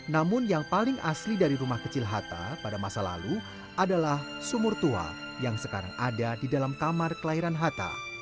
namun yang paling asli dari rumah kecil hatta pada masa lalu adalah sumur tua yang sekarang ada di dalam kamar kelahiran hatta